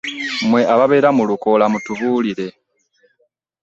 Mwe ababeera mu luukola mutubuulire.